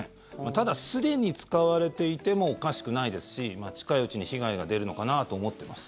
ただ、すでに使われていてもおかしくないですし近いうちに被害が出るのかなと思ってます。